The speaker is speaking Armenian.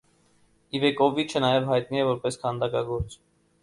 Իվեկովիչը նաև հայտնի է որպես քանդակագործ։